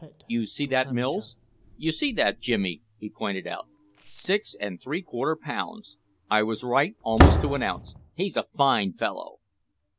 "You see that, Mills? You see that, Jimmy?" he pointed out. "Six and three quarter pounds! I was right almost to an ounce. He's a fine fellow!"